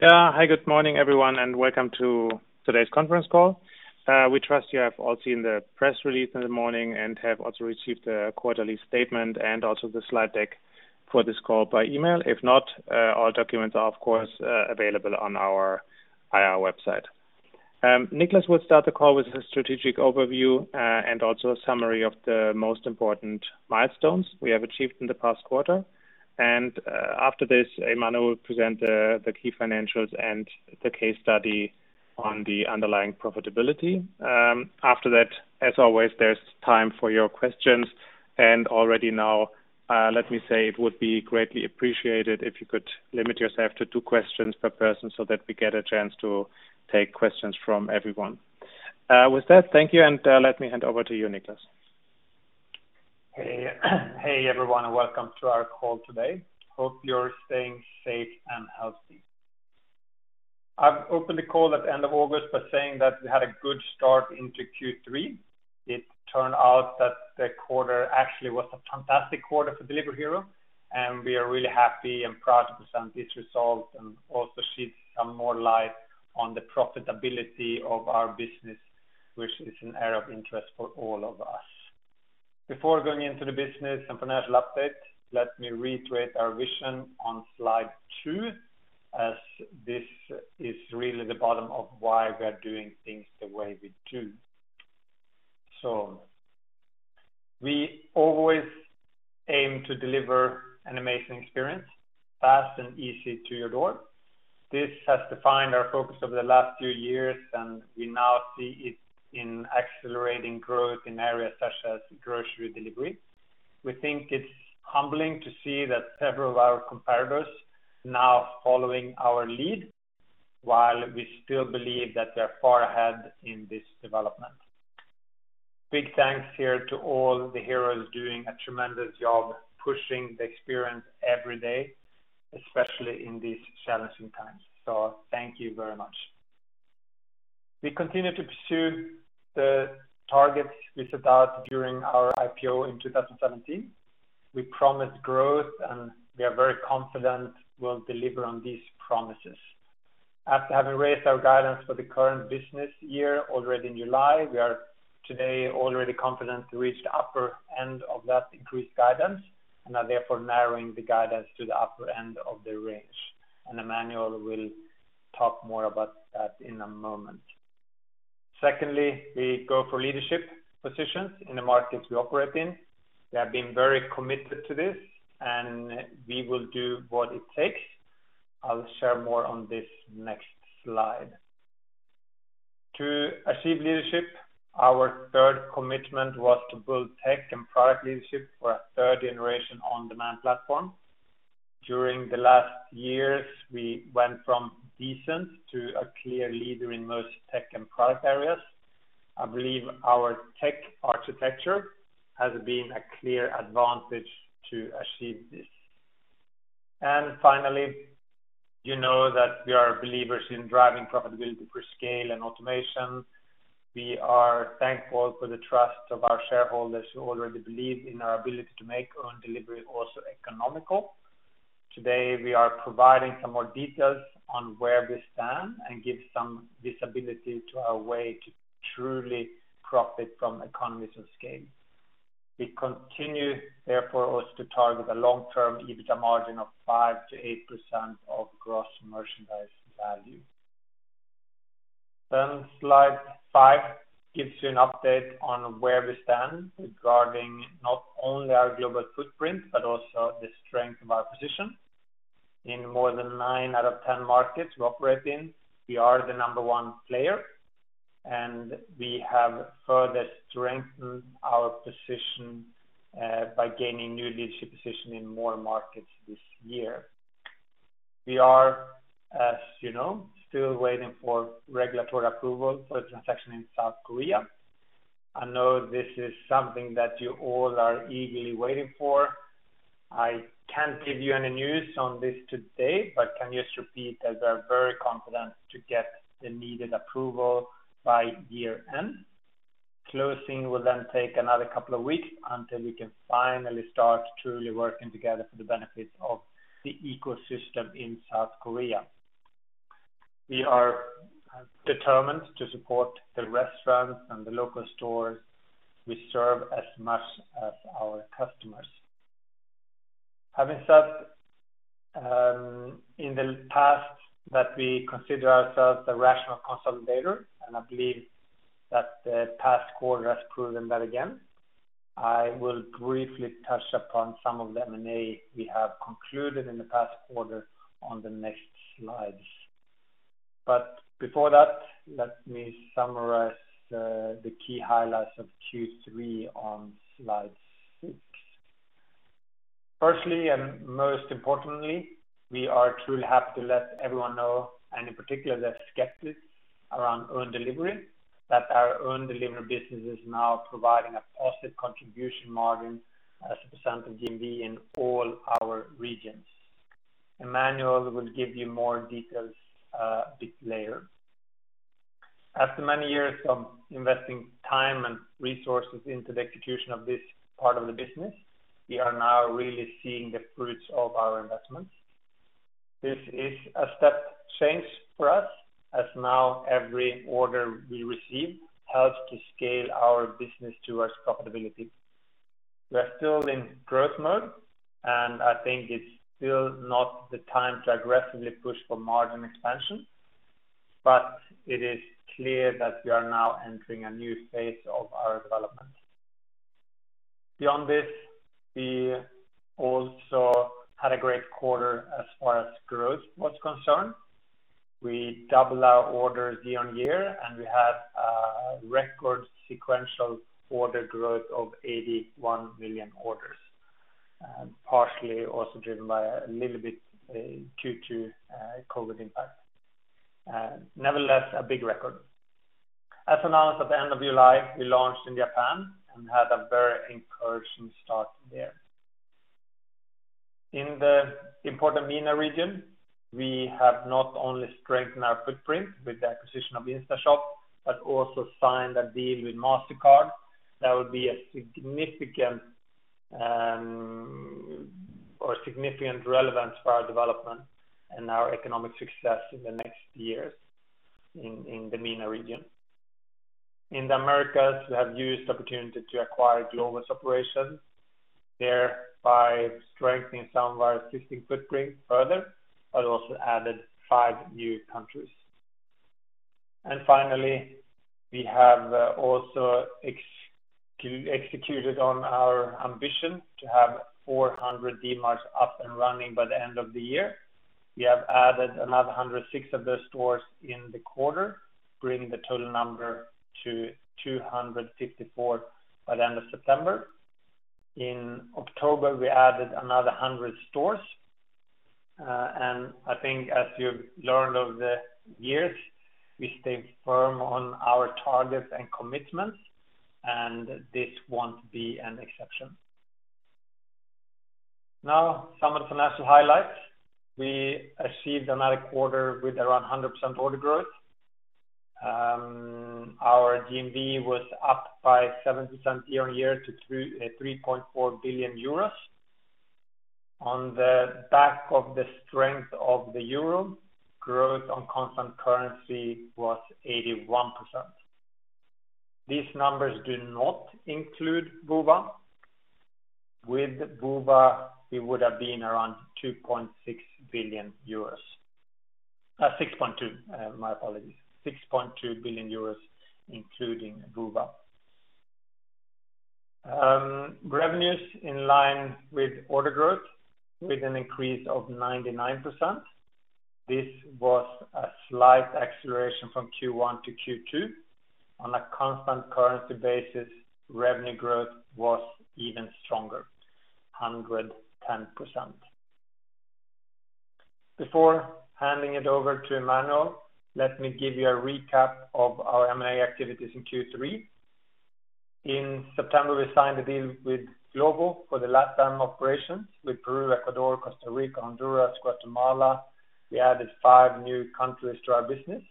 Hi, good morning everyone, welcome to today's conference call. We trust you have all seen the press release in the morning and have also received the quarterly statement and also the slide deck for this call by email. If not, all documents are of course available on our IR website. Niklas will start the call with a strategic overview, and also a summary of the most important milestones we have achieved in the past quarter. After this, Emmanuel will present the key financials and the case study on the underlying profitability. After that, as always, there's time for your questions. Already now, let me say it would be greatly appreciated if you could limit yourself to two questions per person so that we get a chance to take questions from everyone. With that, thank you, and let me hand over to you, Niklas. Hey, everyone, welcome to our call today. Hope you're staying safe and healthy. I've opened the call at the end of August by saying that we had a good start into Q3. It turned out that the quarter actually was a fantastic quarter for Delivery Hero. We are really happy and proud to present this result and also shed some more light on the profitability of our business, which is an area of interest for all of us. Before going into the business and financial update, let me reiterate our vision on slide two, as this is really the bottom of why we are doing things the way we do. We always aim to deliver an amazing experience, fast and easy to your door. This has defined our focus over the last few years, and we now see it in accelerating growth in areas such as grocery delivery. We think it's humbling to see that several of our competitors now following our lead, while we still believe that we're far ahead in this development. Big thanks here to all the heroes doing a tremendous job pushing the experience every day, especially in these challenging times. Thank you very much. We continue to pursue the targets we set out during our IPO in 2017. We promised growth, and we are very confident we'll deliver on these promises. After having raised our guidance for the current business year already in July, we are today already confident to reach the upper end of that increased guidance and are therefore narrowing the guidance to the upper end of the range. Emmanuel will talk more about that in a moment. Secondly, we go for leadership positions in the markets we operate in. We have been very committed to this, and we will do what it takes. I'll share more on this next slide. To achieve leadership, our third commitment was to build tech and product leadership for a third generation on-demand platform. During the last years, we went from decent to a clear leader in most tech and product areas. I believe our tech architecture has been a clear advantage to achieve this. Finally, you know that we are believers in driving profitability for scale and automation. We are thankful for the trust of our shareholders who already believe in our ability to make own delivery also economical. Today, we are providing some more details on where we stand and give some visibility to our way to truly profit from economies of scale. We continue therefore also to target a long-term EBITDA margin of 5%-8% of gross merchandise value. Slide five gives you an update on where we stand regarding not only our global footprint but also the strength of our position. In more than nine out of 10 markets we operate in, we are the number one player, and we have further strengthened our position by gaining new leadership position in more markets this year. We are, as you know, still waiting for regulatory approval for the transaction in South Korea. I know this is something that you all are eagerly waiting for. I can't give you any news on this today, but can just repeat that we are very confident to get the needed approval by year end. Closing will take another couple of weeks until we can finally start truly working together for the benefit of the ecosystem in South Korea. We are determined to support the restaurants and the local stores we serve as much as our customers. Having said in the past that we consider ourselves a rational consolidator, and I believe that the past quarter has proven that again, I will briefly touch upon some of the M&A we have concluded in the past quarter on the next slides. Before that, let me summarize the key highlights of Q3 on slide six. Firstly and most importantly, we are truly happy to let everyone know, and in particular the skeptics around own delivery, that our own delivery business is now providing a positive contribution margin as a percentage of GMV in all our regions. Emmanuel will give you more details a bit later. After many years of investing time and resources into the execution of this part of the business, we are now really seeing the fruits of our investments. This is a step change for us, as now every order we receive helps to scale our business towards profitability. We are still in growth mode, and I think it's still not the time to aggressively push for margin expansion, but it is clear that we are now entering a new phase of our development. Beyond this, we also had a great quarter as far as growth was concerned. We doubled our orders year-on-year. We had a record sequential order growth of 81 million orders, partially also driven by a little bit Q2 COVID impact. Nevertheless, a big record. As announced at the end of July, we launched in Japan and had a very encouraging start there. In the important MENA region, we have not only strengthened our footprint with the acquisition of InstaShop, but also signed a deal with Mastercard that will be a significant relevance for our development and our economic success in the next years in the MENA region. In the Americas, we have used the opportunity to acquire Glovo's operation there by strengthening some of our existing footprint further, but also added five new countries. Finally, we have also executed on our ambition to have 400 Dmarts up and running by the end of the year. We have added another 106 of those stores in the quarter, bringing the total number to 254 by the end of September. In October, we added another 100 stores. I think as you've learned over the years, we stay firm on our targets and commitments, and this won't be an exception. Now, some of the financial highlights. We achieved another quarter with around 100% order growth. Our GMV was up by 70% year-over-year to 3.4 billion euros. On the back of the strength of the euro, growth on constant currency was 81%. These numbers do not include Woowa. With Woowa, we would have been around 2.6 billion euros. 6.2, my apologies. 6.2 billion euros, including Woowa. Revenues in line with order growth, with an increase of 99%. This was a slight acceleration from Q1-Q2. On a constant currency basis, revenue growth was even stronger, 110%. Before handing it over to Emmanuel, let me give you a recap of our M&A activities in Q3. In September, we signed a deal with Glovo for the LATAM operations with Peru, Ecuador, Costa Rica, Honduras, Guatemala. We added five new countries to our business.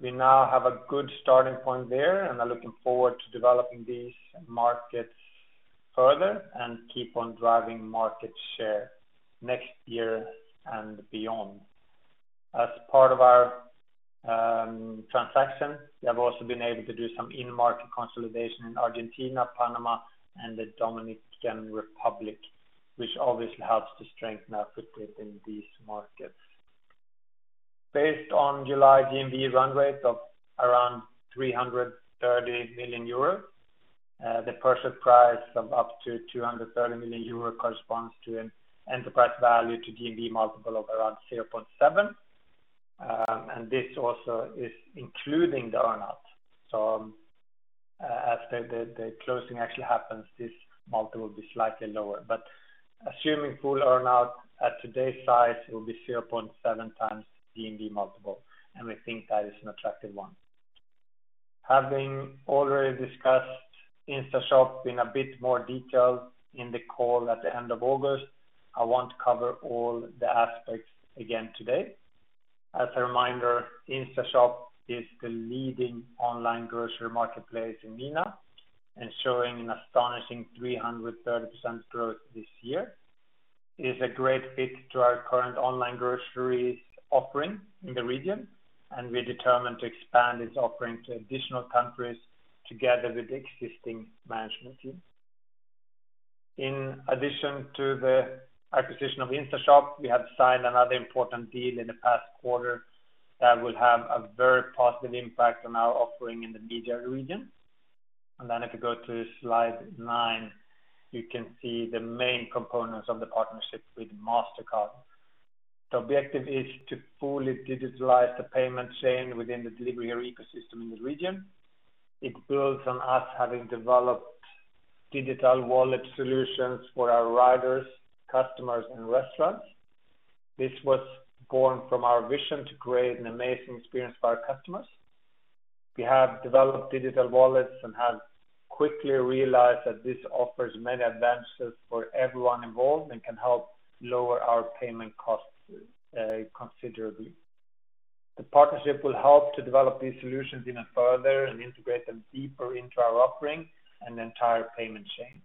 We now have a good starting point there and are looking forward to developing these markets further and keep on driving market share next year and beyond. As part of our transaction, we have also been able to do some in-market consolidation in Argentina, Panama, and the Dominican Republic, which obviously helps to strengthen our footprint in these markets. Based on July GMV run rate of around 330 million euros, the purchase price of up to 230 million euros corresponds to an enterprise value to GMV multiple of around 0.7x. This also is including the earn-out. As the closing actually happens, this multiple will be slightly lower. Assuming full earn-out at today's size, it will be 0.7x GMV multiple, and we think that is an attractive one. Having already discussed InstaShop in a bit more detail in the call at the end of August, I won't cover all the aspects again today. As a reminder, InstaShop is the leading online grocery marketplace in MENA, and showing an astonishing 330% growth this year. It is a great fit to our current online groceries offering in the region, and we're determined to expand its offering to additional countries together with the existing management team. In addition to the acquisition of InstaShop, we have signed another important deal in the past quarter that will have a very positive impact on our offering in the MENA region. If you go to slide nine, you can see the main components of the partnership with Mastercard. The objective is to fully digitalize the payment chain within the Delivery Hero ecosystem in the region. It builds on us having developed digital wallet solutions for our riders, customers, and restaurants. This was born from our vision to create an amazing experience for our customers. We have developed digital wallets and have quickly realized that this offers many advantages for everyone involved and can help lower our payment costs considerably. The partnership will help to develop these solutions even further and integrate them deeper into our offering and the entire payment chain.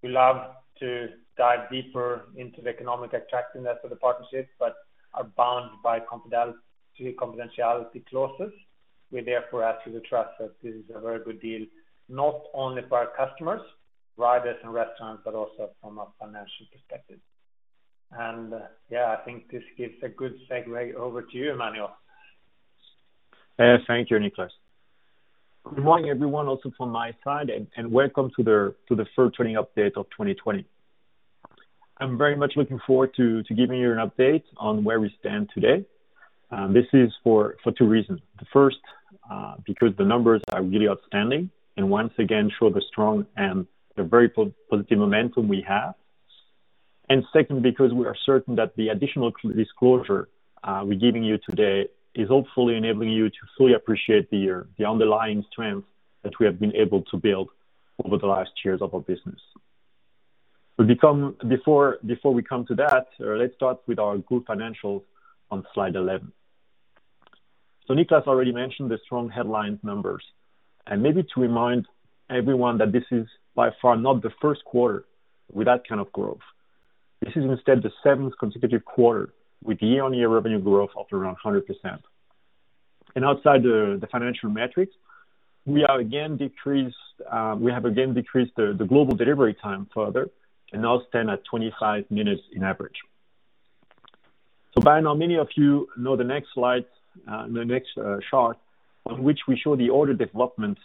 We love to dive deeper into the economic attractiveness of the partnership but are bound by confidentiality clauses. We therefore ask you to trust that this is a very good deal, not only for our customers, riders, and restaurants, but also from a financial perspective. I think this gives a good segue over to you, Emmanuel. Thank you, Niklas. Good morning, everyone, also from my side, and welcome to the third earnings update of 2020. I'm very much looking forward to giving you an update on where we stand today. This is for two reasons. The first, because the numbers are really outstanding and once again show the strong and the very positive momentum we have. Second, because we are certain that the additional disclosure we're giving you today is hopefully enabling you to fully appreciate the underlying strength that we have been able to build over the last years of our business. Before we come to that, let's start with our group financials on slide 11. Niklas already mentioned the strong headline numbers, and maybe to remind everyone that this is by far not the first quarter with that kind of growth. This is instead the seventh consecutive quarter with year-on-year revenue growth of around 100%. Outside the financial metrics, we have again decreased the global delivery time further and now stand at 25 minutes on average. By now, many of you know the next slide, the next chart, on which we show the order development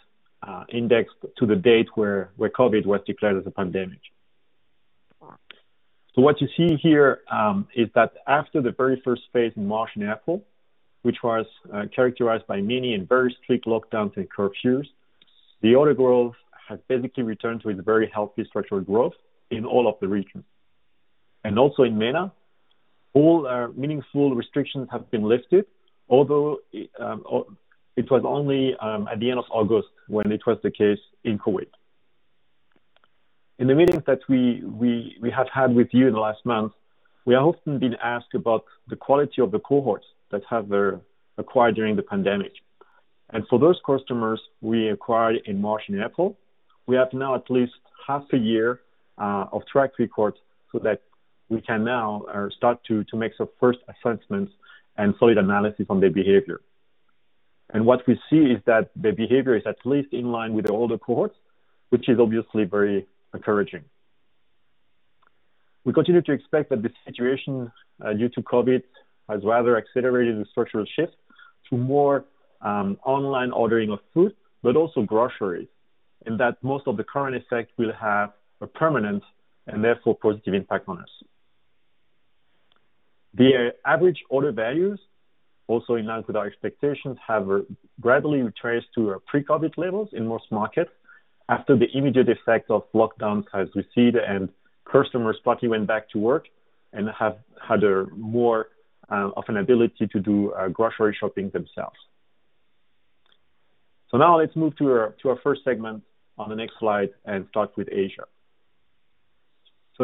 index to the date where COVID was declared as a pandemic. What you see here is that after the very first phase in March and April, which was characterized by many and very strict lockdowns and curfews, the order growth has basically returned to its very healthy structural growth in all of the regions. Also in MENA, all our meaningful restrictions have been lifted, although it was only at the end of August when it was the case in Kuwait. In the meetings that we have had with you in the last month, we have often been asked about the quality of the cohorts that have acquired during the pandemic. For those customers we acquired in March and April, we have now at least half a year of track record so that we can now start to make some first assessments and solid analysis on their behavior. What we see is that the behavior is at least in line with the older cohorts, which is obviously very encouraging. We continue to expect that the situation due to COVID has rather accelerated the structural shift to more online ordering of food, but also groceries, in that most of the current effect will have a permanent and therefore positive impact on us. The average order values, also in line with our expectations, have gradually retraced to our pre-COVID levels in most markets after the immediate effect of lockdowns has receded and customers partly went back to work and have had more of an ability to do grocery shopping themselves. Now let's move to our first segment on the next slide and start with Asia.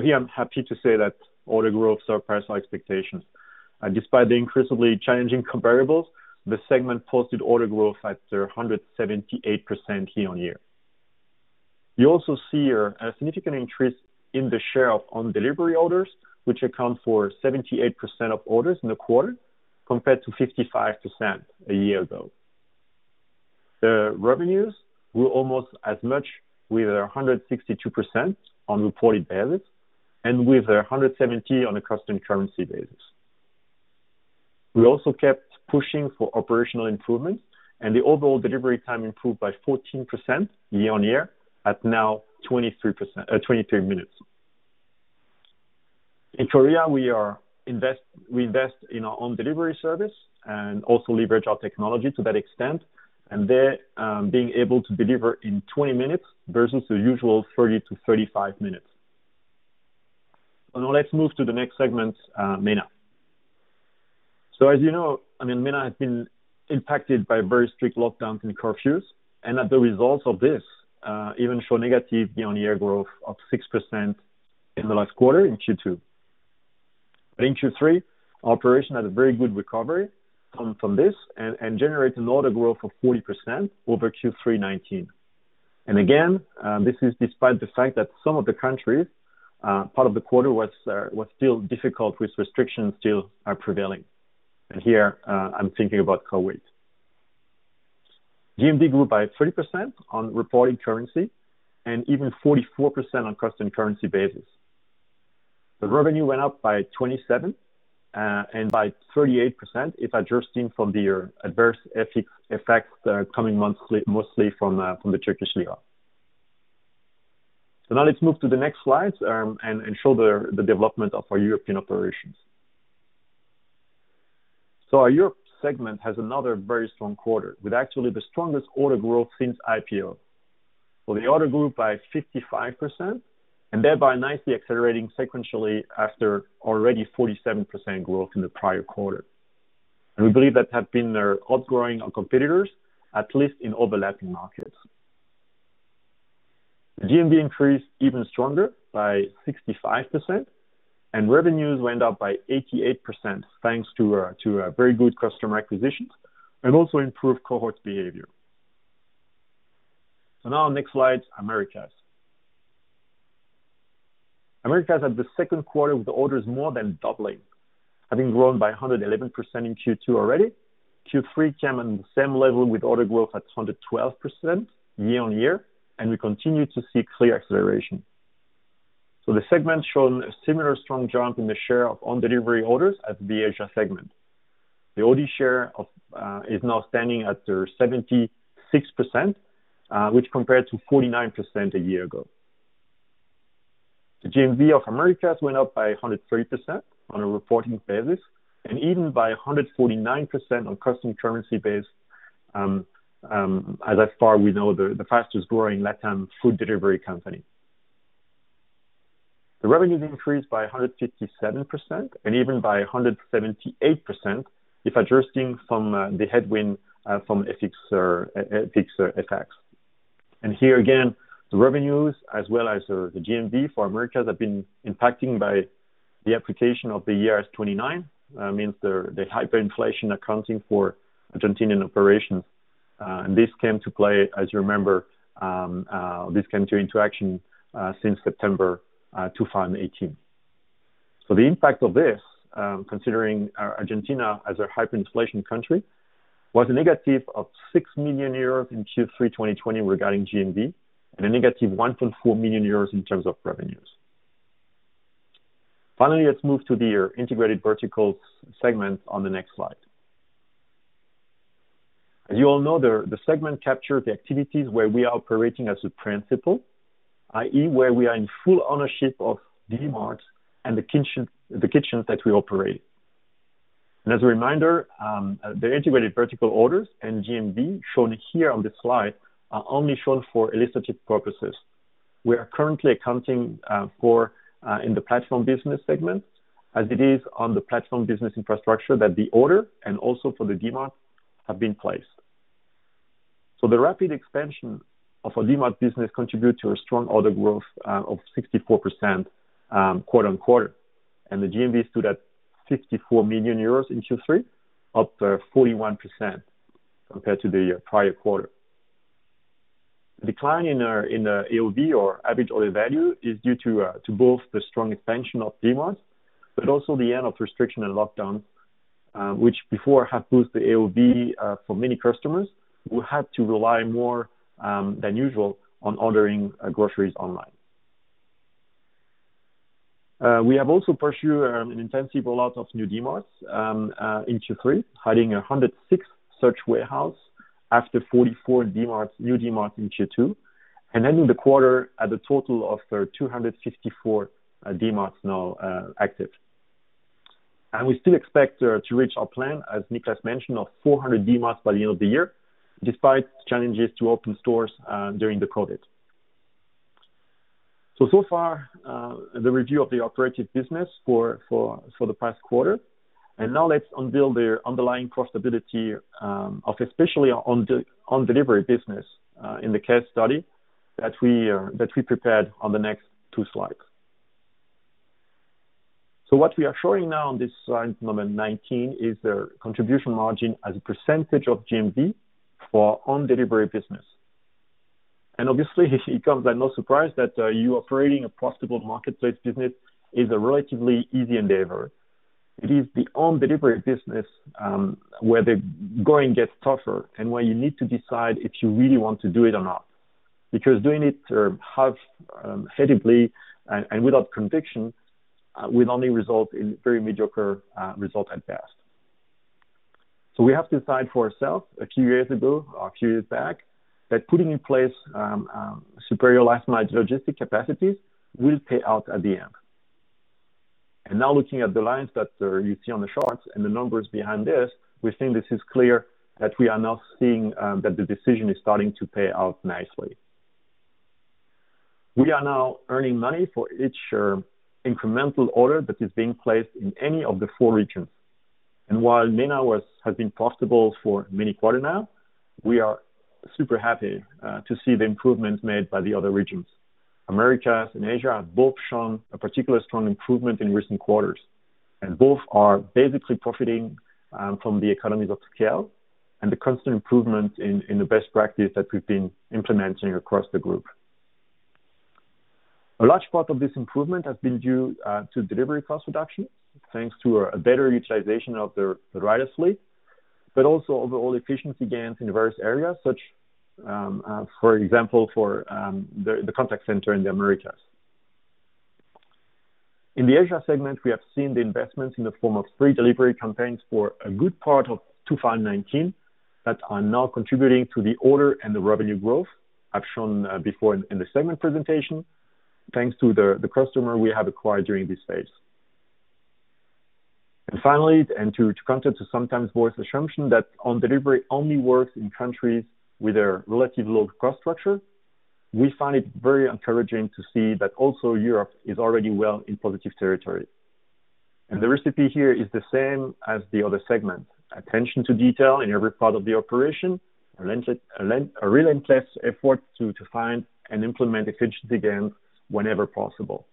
Here, I'm happy to say that order growth surpassed our expectations. Despite the increasingly challenging comparables, the segment posted order growth at 178% year-on-year. You also see here a significant increase in the share of own delivery orders, which account for 78% of orders in the quarter, compared to 55% a year ago. The revenues were almost as much with 162% on reported basis and with 170% on a constant currency basis. We also kept pushing for operational improvements, and the overall delivery time improved by 14% year-on-year at now 23 minutes. In Korea, we invest in our own delivery service and also leverage our technology to that extent, and they're being able to deliver in 20 minutes versus the usual 30-35 minutes. Let's move to the next segment, MENA. As you know, MENA has been impacted by very strict lockdowns and curfews, and that the results of this even show negative year-on-year growth of 6% in the last quarter in Q2. In Q3, operation had a very good recovery from this and generates an order growth of 40% over Q3 2019. Again, this is despite the fact that some of the countries, part of the quarter was still difficult with restrictions still prevailing. Here, I'm thinking about Kuwait. GMV grew by 30% on reported currency and even 44% on constant currency basis. The revenue went up by 27% and by 38% if adjusted from the adverse effects coming mostly from the Turkish lira. Let's move to the next slide and show the development of our European operations. Our Europe segment has another very strong quarter with actually the strongest order growth since IPO. The order grew by 55% and thereby nicely accelerating sequentially after already 47% growth in the prior quarter. We believe that have been outgrowing our competitors, at least in overlapping markets. The GMV increased even stronger by 65%, and revenues went up by 88%, thanks to very good customer acquisitions and also improved cohort behavior. Next slide, Americas. Americas had the second quarter with the orders more than doubling. Having grown by 111% in Q2 already, Q3 came in the same level with order growth at 112% year-on-year, and we continue to see clear acceleration. The segment's shown a similar strong jump in the share of own delivery orders as the Asia segment. The OD share is now standing at 76%, which compared to 49% a year ago. The GMV of Americas went up by 103% on a reporting basis, and even by 149% on constant currency base, as far we know, the fastest growing LATAM food delivery company. The revenues increased by 157%, and even by 178%, if adjusting from the headwind from FX effects. Here again, the revenues, as well as the GMV for Americas have been impacting by the application of the IAS 29. That means the hyperinflation accounting for Argentinian operations. This came to play, as you remember, this came into action since September 2018. The impact of this, considering Argentina as a hyperinflation country, was a negative of 6 million euros in Q3 2020 regarding GMV, and a negative 1.4 million euros in terms of revenues. Finally, let's move to the Integrated Verticals Segment on the next slide. As you all know, the segment capture the activities where we are operating as a principal, i.e., where we are in full ownership of Dmarts and the kitchens that we operate. As a reminder, the Integrated Vertical orders and GMV shown here on this slide are only shown for illustrative purposes. We are currently accounting for in the Platform Business Segment as it is on the Platform Business infrastructure that the order and also for the Dmart have been placed. The rapid expansion of our Dmart business contribute to a strong order growth of 64% quarter-on-quarter, and the GMV stood at 54 million euros in Q3, up 41% compared to the prior quarter. The decline in AOV, or average order value, is due to both the strong expansion of Dmarts, but also the end of restriction and lockdown, which before have boosted AOV for many customers who had to rely more than usual on ordering groceries online. We have also pursued an intensive rollout of new Dmarts in Q3, adding 106 such warehouse after 44 new Dmarts in Q2, ending the quarter at a total of 254 Dmarts now active. We still expect to reach our plan, as Niklas mentioned, of 400 Dmarts by the end of the year, despite challenges to open stores during the COVID. So far, the review of the operative business for the past quarter. Now let's unveil the underlying profitability of especially own delivery business in the case study that we prepared on the next two slides. What we are showing now on this slide number 19 is the contribution margin as a percentage of GMV for our own delivery business. Obviously, it comes as no surprise that you operating a profitable marketplace business is a relatively easy endeavor. It is the own delivery business where the going gets tougher and where you need to decide if you really want to do it or not. Because doing it half-heartedly and without conviction will only result in very mediocre result at best. We have decided for ourselves a few years ago, or a few years back, that putting in place superior last mile logistic capacities will pay out at the end. Now looking at the lines that you see on the charts and the numbers behind this, we think this is clear that we are now seeing that the decision is starting to pay out nicely. We are now earning money for each incremental order that is being placed in any of the four regions. While MENA has been profitable for many quarter now, we are super happy to see the improvements made by the other regions. Americas and Asia have both shown a particular strong improvement in recent quarters, and both are basically profiting from the economies of scale and the constant improvement in the best practice that we've been implementing across the group. A large part of this improvement has been due to delivery cost reduction, thanks to a better utilization of the rider fleet, but also overall efficiency gains in various areas, such, for example, for the contact center in the Americas. In the Asia segment, we have seen the investments in the form of free delivery campaigns for a good part of 2019 that are now contributing to the order and the revenue growth as shown before in the segment presentation, thanks to the customer we have acquired during this phase. Finally, and to counter to sometimes voiced assumption that own delivery only works in countries with a relatively low cost structure. We find it very encouraging to see that also Europe is already well in positive territory. The recipe here is the same as the other segment. Attention to detail in every part of the operation, a relentless effort to find and implement efficiency gains whenever possible.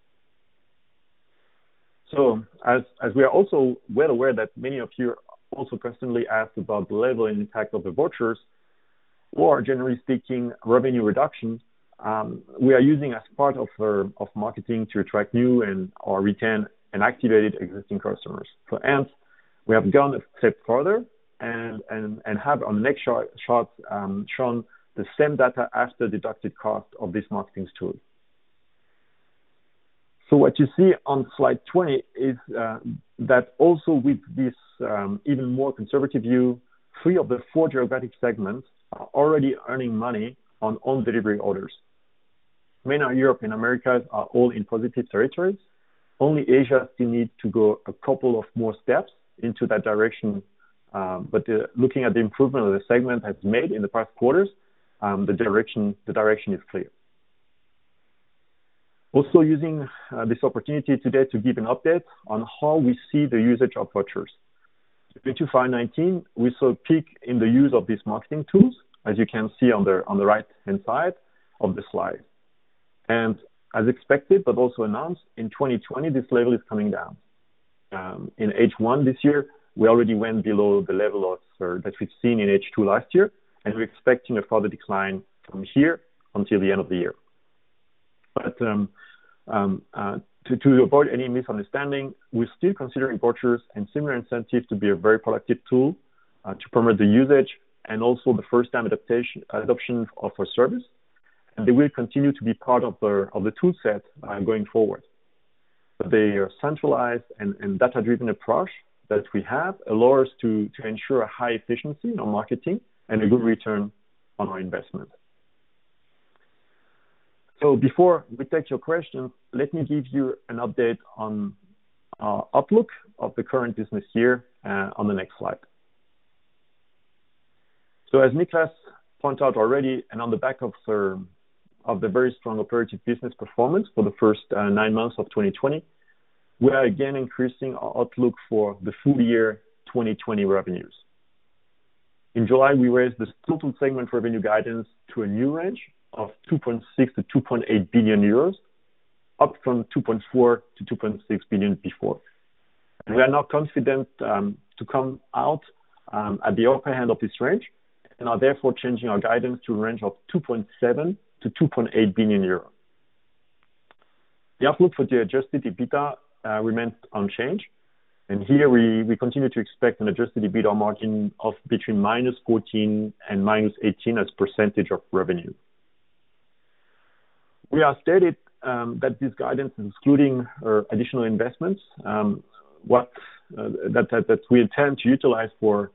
As we are also well aware that many of you also constantly ask about the level and impact of the vouchers, or generally speaking, revenue reduction, we are using as part of marketing to attract new and/or retain and activate existing customers. For us, we have gone a step further and have on the next chart shown the same data after deducted cost of this marketing tool. What you see on slide 20 is that also with this even more conservative view, three of the four geographic segments are already earning money on own delivery orders. MENA, Europe, and Americas are all in positive territories. Only Asia still needs to go a couple of more steps into that direction. Looking at the improvement that the segment has made in the past quarters, the direction is clear. Also using this opportunity today to give an update on how we see the usage of vouchers. In 2019, we saw a peak in the use of these marketing tools, as you can see on the right-hand side of the slide. As expected, but also announced, in 2020, this level is coming down. In H1 this year, we already went below the level that we've seen in H2 last year, and we're expecting a further decline from here until the end of the year. To avoid any misunderstanding, we're still considering vouchers and similar incentives to be a very productive tool to promote the usage and also the first-time adoption of our service, and they will continue to be part of the tool set going forward. The centralized and data-driven approach that we have allows us to ensure high efficiency in our marketing and a good return on our investment. Before we take your questions, let me give you an update on our outlook of the current business year on the next slide. As Niklas pointed out already, and on the back of the very strong operating business performance for the first nine months of 2020, we are again increasing our outlook for the full year 2020 revenues. In July, we raised this total segment revenue guidance to a new range of 2.6 billion-2.8 billion euros, up from 2.4 billion-2.6 billion before. We are now confident to come out at the upper hand of this range and are therefore changing our guidance to a range of 2.7 billion-2.8 billion euros. The outlook for the adjusted EBITDA remains unchanged. Here we continue to expect an adjusted EBITDA margin of between -14% and -18% of revenue. We have stated that this guidance is excluding additional investments that we intend to utilize to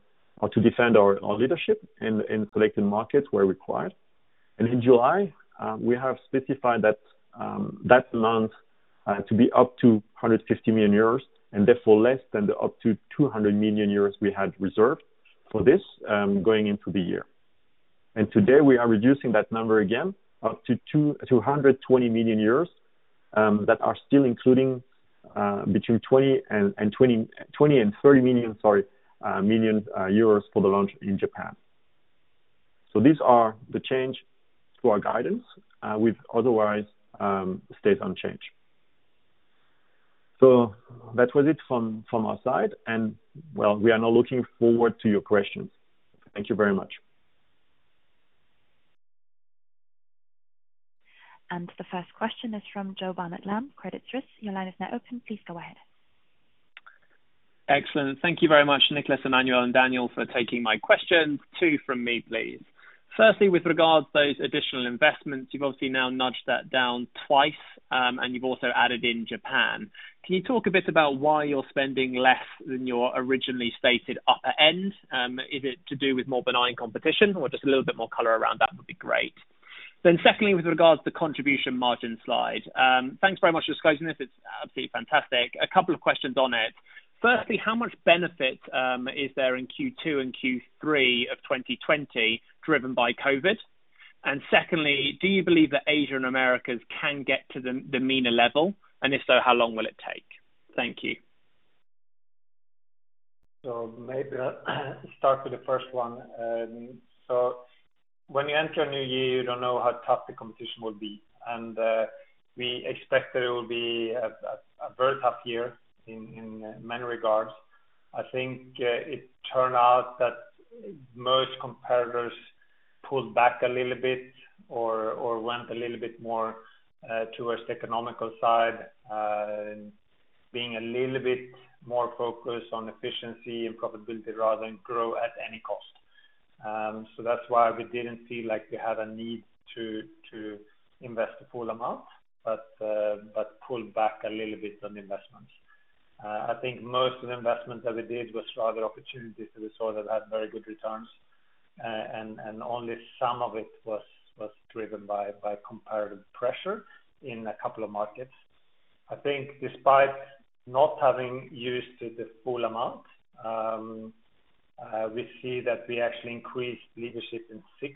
defend our leadership in selected markets where required. In July, we have specified that amount to be up to 150 million euros and therefore less than the up to 200 million euros we had reserved for this going into the year. Today, we are reducing that number again up to 220 million that are still including between 20 million and 30 million for the launch in Japan. These are the changes to our guidance, with otherwise stays unchanged. That was it from our side, well, we are now looking forward to your questions. Thank you very much. The first question is from Joe Barnet-Lamb, Credit Suisse. Your line is now open. Please go ahead. Excellent. Thank you very much, Niklas, Emmanuel, and Daniel, for taking my questions. Two from me, please. Firstly, with regards to those additional investments, you've obviously now nudged that down twice, and you've also added in Japan. Can you talk a bit about why you're spending less than your originally stated upper end? Is it to do with more benign competition? Just a little bit more color around that would be great. Secondly, with regards to the contribution margin slide. Thanks very much for disclosing this. It's absolutely fantastic. A couple of questions on it. Firstly, how much benefit is there in Q2 and Q3 of 2020 driven by COVID? Secondly, do you believe that Asia and Americas can get to the MENA level? If so, how long will it take? Thank you. Maybe I'll start with the first one. When you enter a new year, you don't know how tough the competition will be. We expect that it will be a very tough year in many regards. I think it turned out that most competitors pulled back a little bit or went a little bit more towards economical side, being a little bit more focused on efficiency and profitability rather than grow at any cost. That's why we didn't feel like we had a need to invest the full amount, but pulled back a little bit on investments. I think most of the investments that we did was rather opportunities that we saw that had very good returns, and only some of it was driven by comparative pressure in a couple of markets. I think despite not having used the full amount, we see that we actually increased leadership in six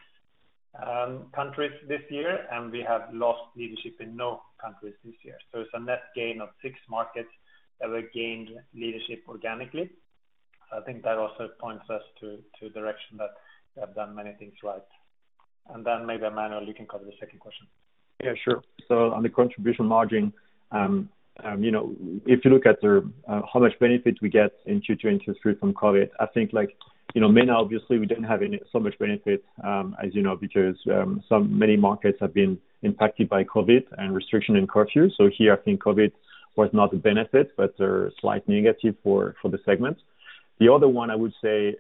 countries this year, and we have lost leadership in no countries this year. It's a net gain of six markets that we gained leadership organically. I think that also points us to direction that we have done many things right. Maybe Emmanuel, you can cover the second question. Yeah, sure. On the contribution margin, if you look at how much benefit we get in 2020 from COVID, I think like MENA, obviously we didn't have so much benefit, as you know, because many markets have been impacted by COVID and restriction and curfew. The other one, I would say,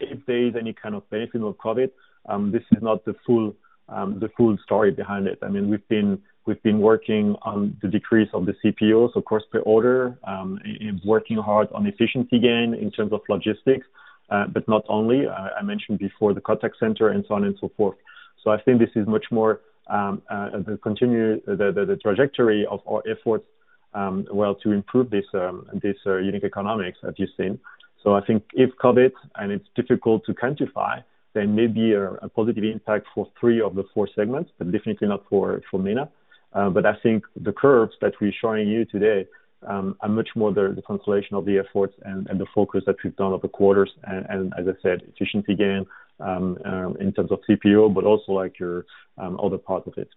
if there is any kind of benefit of COVID, this is not the full story behind it. We've been working on the decrease of the CPOs, of course, per order, working hard on efficiency gain in terms of logistics. Not only, I mentioned before the contact center and so on and so forth. I think this is much more the trajectory of our efforts, well, to improve this unique economics that you've seen. I think if COVID, and it's difficult to quantify, there may be a positive impact for three of the four segments, but definitely not for MENA. I think the curves that we're showing you today are much more the consolation of the efforts and the focus that we've done over the quarters and as I said, efficiency gain, in terms of CPO, but also like your other parts of it.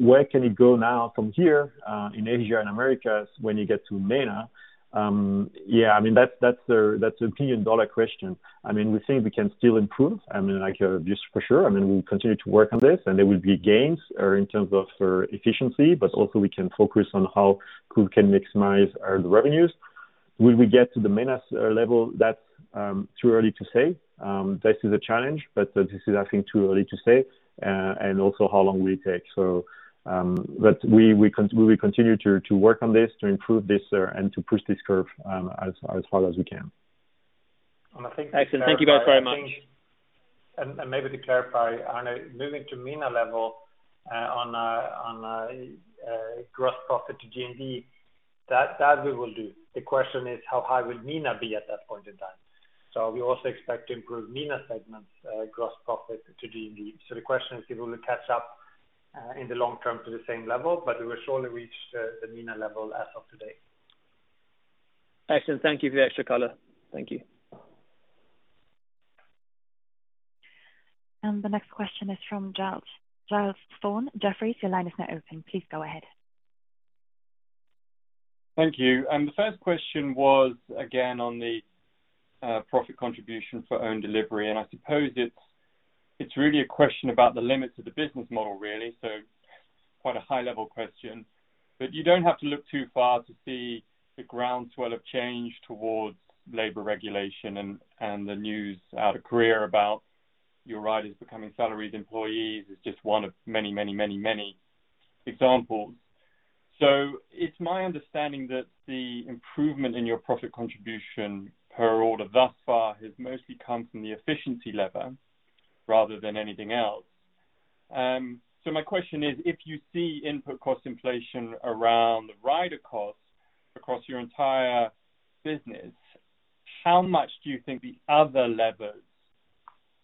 Where can it go now from here, in Asia and Americas when you get to MENA? Yeah, that's the billion-dollar question. We think we can still improve. Like just for sure, we'll continue to work on this and there will be gains in terms of efficiency, but also we can focus on how we can maximize our revenues. Will we get to the MENA level? That's too early to say. This is a challenge, but this is, I think too early to say, and also how long will it take. We will continue to work on this, to improve this, and to push this curve as far as we can. I think to clarify Excellent. Thank you both very much. Maybe to clarify, Andrew, moving to MENA level on a gross profit to GMV, that we will do. The question is how high will MENA be at that point in time? We also expect to improve MENA segments gross profit to GMV. The question is if we will catch up in the long term to the same level, but we will surely reach the MENA level as of today. Excellent. Thank you for the extra color. Thank you. The next question is from Giles Thorne. Jefferies, your line is now open. Please go ahead. Thank you. The first question was again on the profit contribution for own delivery. I suppose it's really a question about the limits of the business model, really. Quite a high-level question. You don't have to look too far to see the groundswell of change towards labor regulation and the news out of Korea about your riders becoming salaried employees is just one of many examples. It's my understanding that the improvement in your profit contribution per order thus far has mostly come from the efficiency lever rather than anything else. My question is, if you see input cost inflation around the rider costs across your entire business, how much do you think the other levers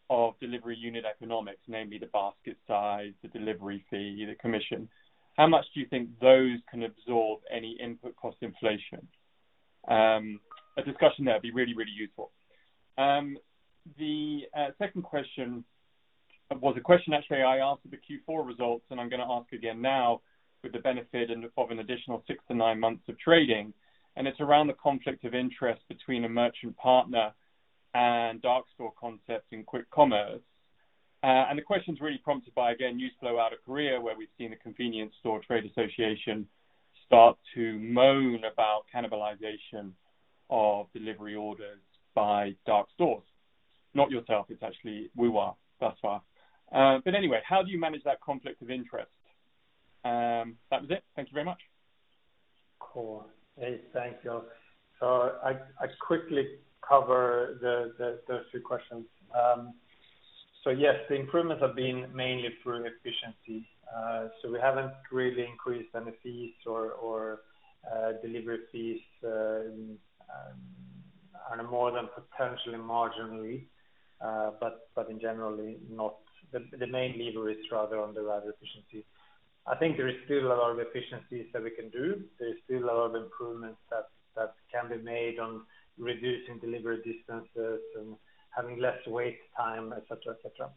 of delivery unit economics, namely the basket size, the delivery fee, the commission, how much do you think those can absorb any input cost inflation? A discussion there would be really, really useful. The second question was a question actually I asked at the Q4 results, and I'm going to ask again now with the benefit of an additional six to nine months of trading, and it's around the conflict of interest between a merchant partner and dark store concepts in quick commerce. The question's really prompted by, again, news flow out of Korea, where we've seen the Association of Convenience Stores start to moan about cannibalization of delivery orders by dark stores. Not yourself. It's actually Woowa thus far. Anyway, how do you manage that conflict of interest? That was it. Thank you very much. Cool. Hey, thank you. I quickly cover those two questions. Yes, the improvements have been mainly through efficiency. We haven't really increased any fees or delivery fees, and more than potentially marginally. In general, the main lever is rather on the rider efficiency. I think there is still a lot of efficiencies that we can do. There's still a lot of improvements that can be made on reducing delivery distances and having less wait time, et cetera, et cetera.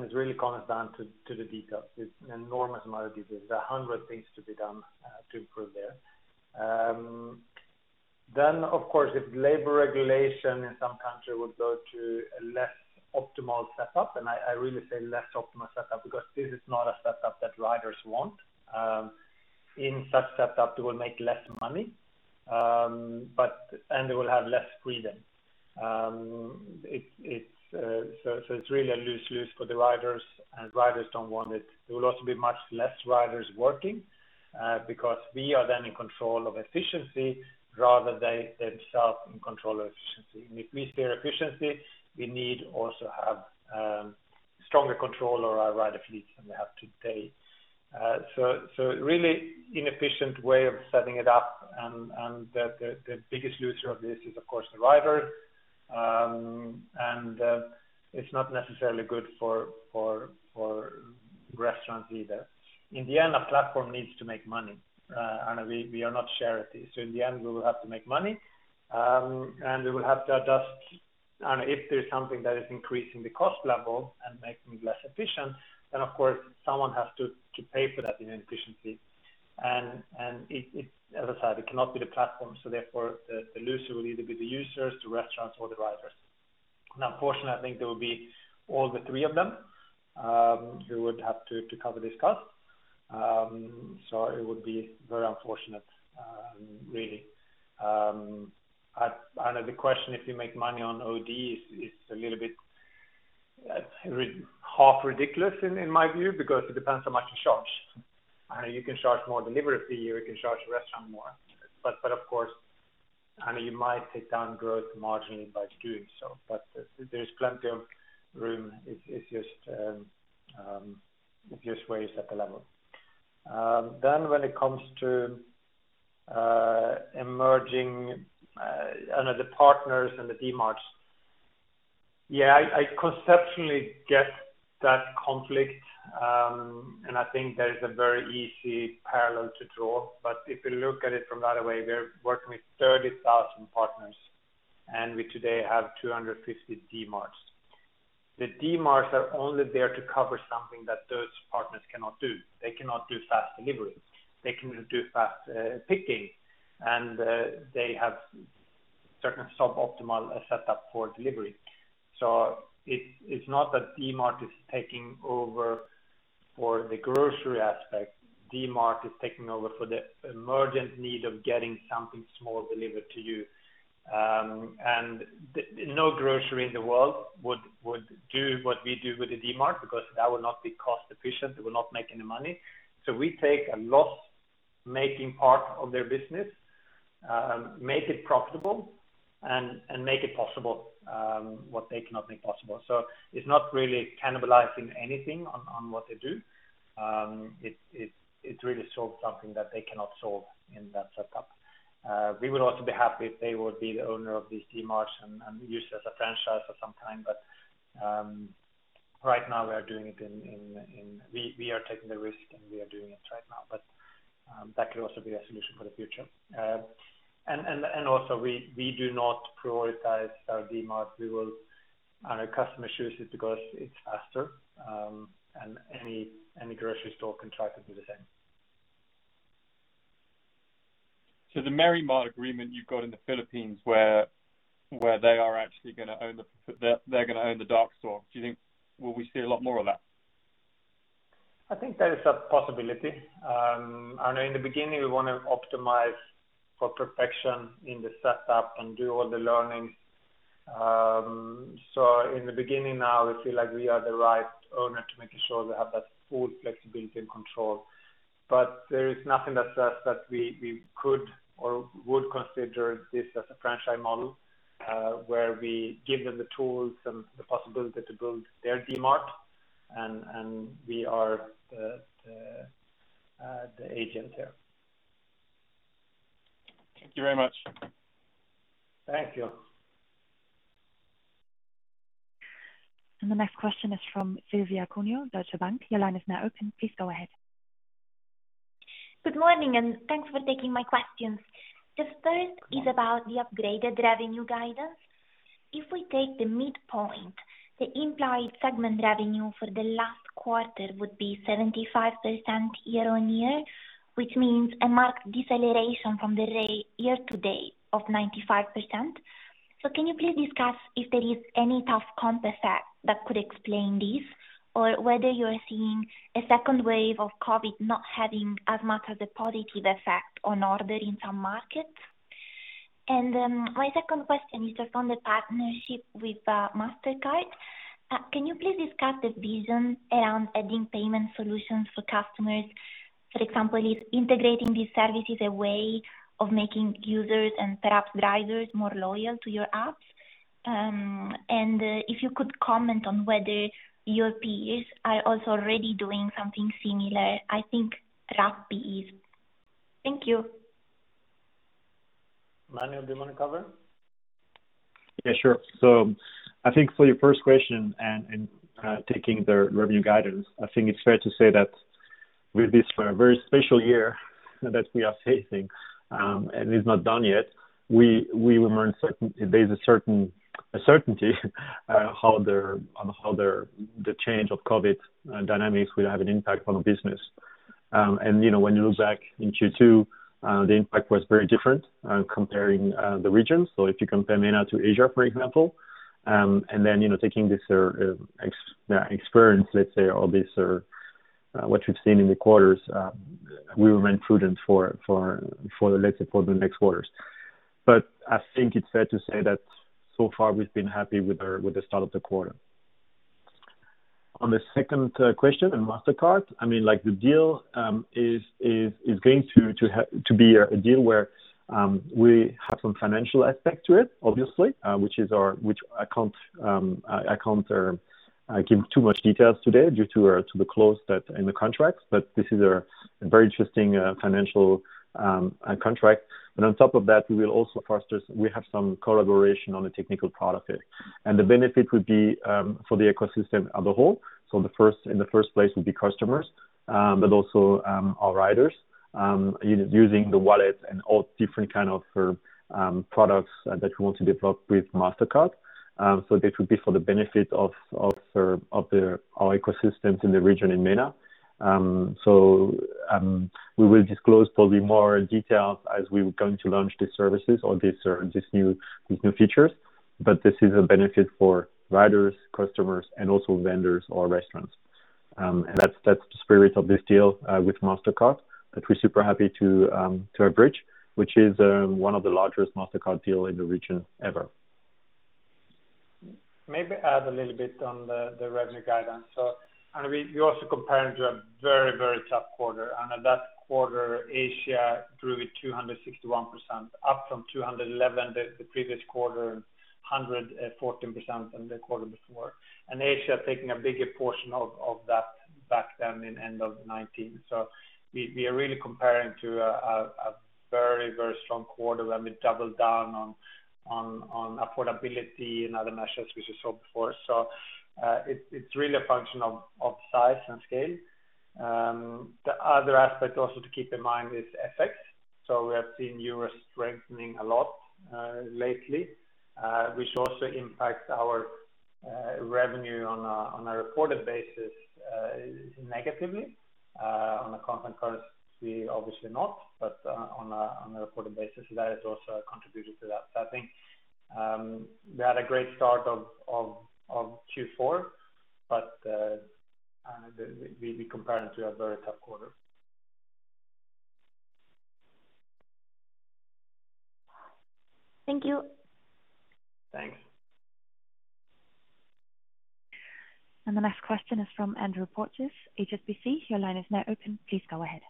It really comes down to the details. It's an enormous amount of details. There are 100 things to be done to improve there. Of course, if labor regulation in some country would go to a less optimal setup, and I really say less optimal setup because this is not a setup that riders want. In such setup, they will make less money, and they will have less freedom. It's really a lose-lose for the riders, and riders don't want it. There will also be much less riders working, because we are then in control of efficiency rather than themselves in control of efficiency. If we say efficiency, we need also have stronger control of our rider fleet than we have today. Really inefficient way of setting it up and the biggest loser of this is, of course, the rider. It's not necessarily good for restaurants either. In the end, our platform needs to make money. We are not charity, so in the end, we will have to make money, and we will have to adjust. If there's something that is increasing the cost level and making it less efficient, then of course someone has to pay for that inefficiency. As I said, it cannot be the platform, so therefore the loser will either be the users, the restaurants or the riders. Unfortunately, I think there will be all the three of them, who would have to cover this cost. It would be very unfortunate, really. I know the question if you make money on OD is a little bit half ridiculous in my view, because it depends how much you charge. You can charge more delivery fee or you can charge the restaurant more. Of course, you might take down contribution margin by doing so, but there's plenty of room. It's just where you set the level. When it comes to emerging under the partners and the Dmarts. Yeah, I conceptually get that conflict, and I think there is a very easy parallel to draw. If you look at it from the other way, we're working with 30,000 partners, and we today have 250 Dmarts. The Dmarts are only there to cover something that those partners cannot do. They cannot do fast delivery. They cannot do fast picking. They have certain suboptimal setup for delivery. It's not that Dmart is taking over for the grocery aspect. Dmart is taking over for the emergent need of getting something small delivered to you. No grocery in the world would do what we do with the Dmart because that will not be cost efficient. It will not make any money. We take a loss making part of their business, make it profitable and make it possible, what they cannot make possible. It's not really cannibalizing anything on what they do. It really solves something that they cannot solve in that setup. We will also be happy if they will be the owner of these Dmarts and use us as a franchise for some time. Right now we are taking the risk, and we are doing it right now. That could also be a solution for the future. Also we do not prioritize our Dmart. Our customer chooses it because it is faster, and any grocery store can try to do the same. The MerryMart agreement you've got in the Philippines where they're going to own the dark store. Do you think will we see a lot more of that? I think there is a possibility. I know in the beginning we want to optimize for perfection in the setup and do all the learning. In the beginning now we feel like we are the right owner to making sure we have that full flexibility and control. There is nothing that says that we could or would consider this as a franchise model, where we give them the tools and the possibility to build their Dmart and we are the agent there. Thank you very much. Thank you. The next question is from Silvia Cuneo, Deutsche Bank. Your line is now open. Please go ahead. Good morning. Thanks for taking my questions. The first is about the upgraded revenue guidance. If we take the midpoint, the implied segment revenue for the last quarter would be 75% year-on-year, which means a marked deceleration from the rate year to date of 95%. Can you please discuss if there is any tough comp effect that could explain this or whether you are seeing a second wave of COVID not having as much of a positive effect on order in some markets? My second question is just on the partnership with Mastercard. Can you please discuss the vision around adding payment solutions for customers? For example, is integrating these services a way of making users and perhaps drivers more loyal to your apps? If you could comment on whether your peers are also already doing something similar, I think Rappi is. Thank you. Emmanuel, do you want to cover? Yeah, sure. I think for your first question and taking the revenue guidance, I think it's fair to say that with this very special year that we are facing, and it's not done yet, we remain certain. There's a certainty on how the change of COVID dynamics will have an impact on the business. When you look back in Q2, the impact was very different, comparing the regions. If you compare MENA to Asia, for example, and then taking this experience, let's say, or this what you've seen in the quarters, we remain prudent for the next quarters. I think it's fair to say that so far we've been happy with the start of the quarter. On the second question on Mastercard, the deal is going to be a deal where we have some financial aspect to it, obviously, which I can't give too much details today due to the clause in the contract, but this is a very interesting financial contract. On top of that, we have some collaboration on the technical part of it. The benefit would be for the ecosystem as a whole. In the first place would be customers, but also our riders using the wallet and all different kind of products that we want to develop with Mastercard. This would be for the benefit of our ecosystems in the region in MENA. We will disclose probably more details as we're going to launch these services or these new features, but this is a benefit for riders, customers, and also vendors or restaurants. That's the spirit of this deal with Mastercard that we're super happy to bridge, which is one of the largest Mastercard deal in the region ever. Maybe add a little bit on the revenue guidance. We're also comparing to a very, very tough quarter, and at that quarter, Asia grew at 261%, up from 211% the previous quarter, and 114% in the quarter before. Asia taking a bigger portion of that back then in end of 2019. We are really comparing to a very, very strong quarter when we doubled down on affordability and other measures which you saw before. It's really a function of size and scale. The other aspect also to keep in mind is FX. We have seen Euro strengthening a lot lately, which also impacts our revenue on a reported basis, negatively. On a constant currency, obviously not. On a reported basis, that has also contributed to that. I think, we had a great start of Q4, but we'll be comparing to a very tough quarter. Thank you. Thanks. The next question is from Andrew Porteous, HSBC. Your line is now open. Please go ahead.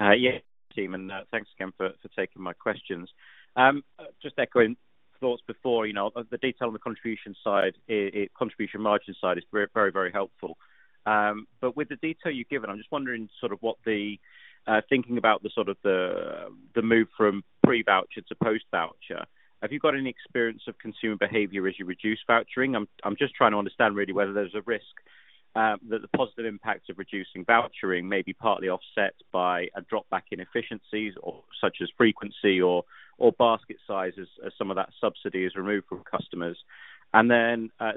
Yeah. Team, thanks again for taking my questions. Just echoing thoughts before, the detail on the contribution margin side is very helpful. With the detail you've given, I'm just wondering sort of what the thinking about the sort of the move from pre-voucher to post-voucher. Have you got any experience of consumer behavior as you reduce vouchering? I'm just trying to understand really whether there's a risk that the positive impact of reducing vouchering may be partly offset by a drop back in efficiencies or such as frequency or basket sizes as some of that subsidy is removed from customers.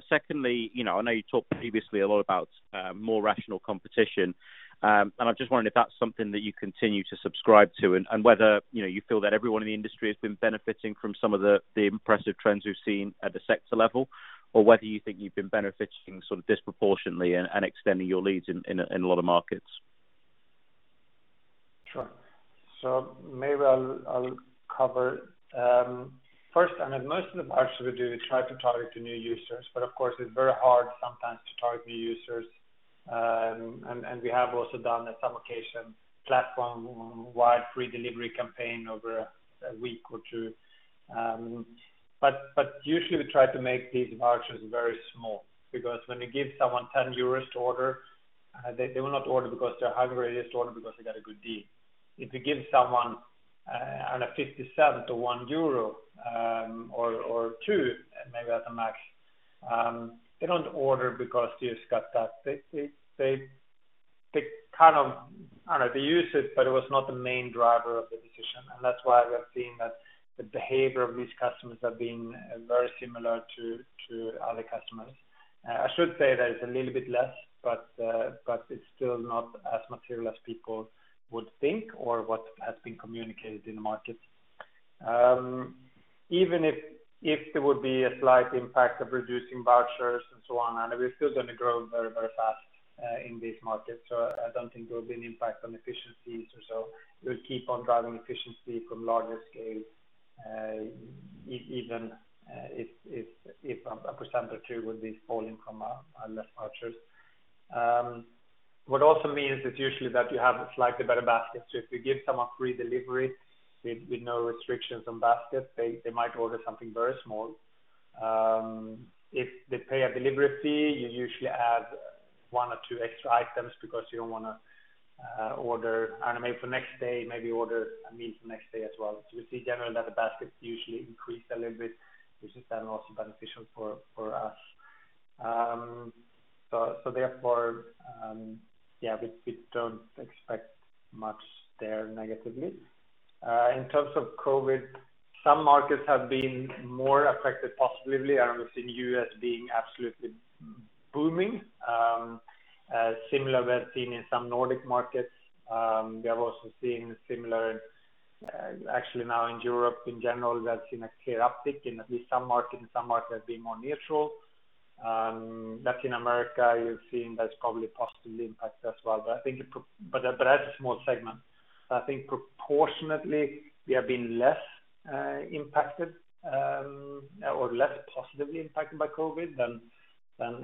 Secondly, I know you talked previously a lot about more rational competition. I'm just wondering if that's something that you continue to subscribe to and whether you feel that everyone in the industry has been benefiting from some of the impressive trends we've seen at the sector level, or whether you think you've been benefiting sort of disproportionately and extending your leads in a lot of markets. Maybe I'll cover. First, most of the vouchers we do, we try to target to new users, but of course it's very hard sometimes to target new users. We have also done, at some occasion, platform-wide free delivery campaign over a week or two. Usually we try to make these vouchers very small because when you give someone 10 euros to order, they will not order because they're hungry, they just order because they got a good deal. If you give someone on a 57 to 1 euro, or 2, maybe at the max, they don't order because you've got that. They use it, but it was not the main driver of the decision. That's why we have seen that the behavior of these customers have been very similar to other customers. I should say that it's a little bit less, but it's still not as material as people would think or what has been communicated in the market. Even if there would be a slight impact of reducing vouchers and so on, and we are still going to grow very fast, in these markets. I don't think there would be an impact on efficiencies or so. We'll keep on driving efficiency from larger scale, even if 1% or 2% would be falling from less vouchers. What also means is usually that you have a slightly better basket. If you give someone free delivery with no restrictions on basket, they might order something very small. If they pay a delivery fee, you usually add one or two extra items because you don't want to order, maybe for next day, maybe order a meal for next day as well. We see generally that the baskets usually increase a little bit, which is then also beneficial for us. Therefore, yeah, we don't expect much there negatively. In terms of COVID, some markets have been more affected positively. I know we've seen U.S. being absolutely booming. Similar we have seen in some Nordic markets. We have also seen similar, actually now in Europe in general, we have seen a clear uptick in at least some markets and some markets have been more neutral. Latin America, you're seeing that's probably positively impacted as well, but that's a small segment. I think proportionately we have been less impacted, or less positively impacted by COVID than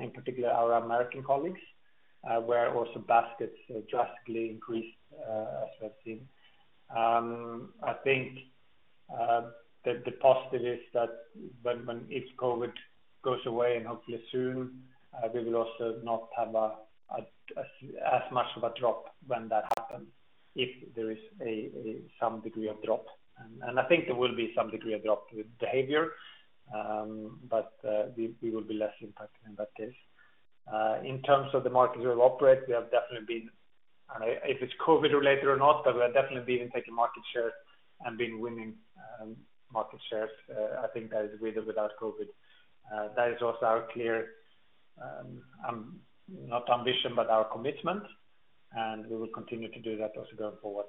in particular our American colleagues, where also baskets drastically increased, as we have seen. I think the positive is that when each COVID goes away and hopefully soon, we will also not have as much of a drop when that happens, if there is some degree of drop. I think there will be some degree of drop with behavior, but we will be less impacted in that case. In terms of the markets we operate, we have definitely been, if it's COVID related or not, but we have definitely been taking market share and been winning market shares. I think that is with or without COVID. That is also our clear, not ambition, but our commitment. We will continue to do that also going forward.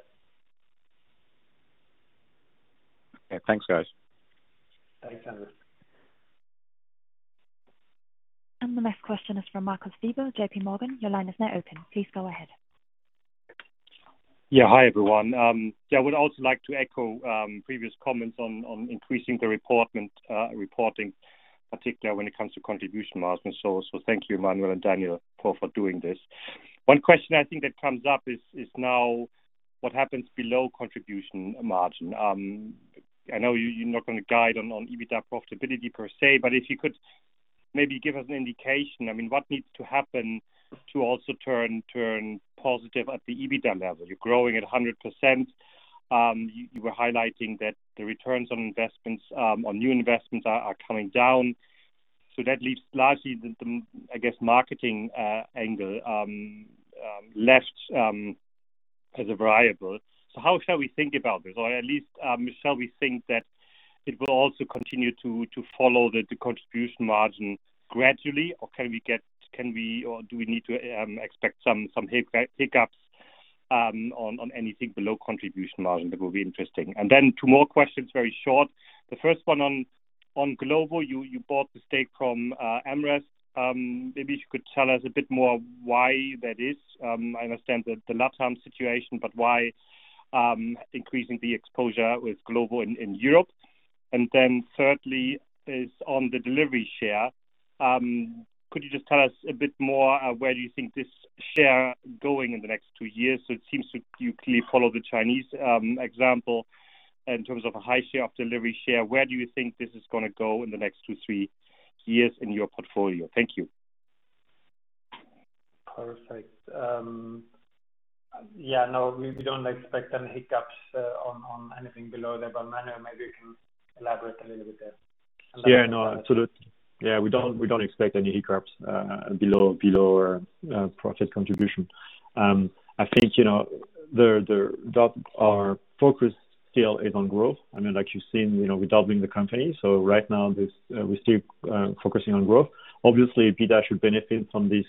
Okay. Thanks, guys. Thanks, Andrew. The next question is from Michael Siebel, JPMorgan. Your line is now open. Please go ahead. Yeah. Hi, everyone. Yeah, would also like to echo previous comments on increasing the reporting, particularly when it comes to contribution margin. Thank you, Emmanuel and Daniel, for doing this. One question I think that comes up is now what happens below contribution margin? I know you're not going to guide on EBITDA profitability per se, but if you could maybe give us an indication. What needs to happen to also turn positive at the EBITDA level? You're growing at 100%. You were highlighting that the returns on new investments are coming down. That leaves largely the, I guess, marketing angle left as a variable. How shall we think about this? At least, shall we think that it will also continue to follow the contribution margin gradually, or do we need to expect some hiccups on anything below contribution margin? That will be interesting. Then two more questions, very short. The first one on Glovo. You bought the stake from AmRest. Maybe you could tell us a bit more why that is. I understand the LATAM situation, but why increasing the exposure with Glovo in Europe? Then thirdly is on the delivery share. Could you just tell us a bit more where do you think this share going in the next two years? It seems to clearly follow the Chinese example in terms of a high share of delivery share. Where do you think this is going to go in the next two, three years in your portfolio? Thank you. Perfect. Yeah, no, we don't expect any hiccups on anything below there, but Emmanuel maybe you can elaborate a little bit there. Yeah. No, absolutely. Yeah, we don't expect any hiccups below our profit contribution. I think our focus still is on growth. Like you've seen, we're doubling the company. Right now we're still focusing on growth. Obviously, EBITDA should benefit from this